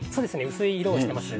薄い色をしてます